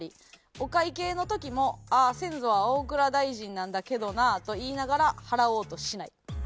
お会計の時も「先祖は大蔵大臣なんだけどな」と言いながら払おうとしない。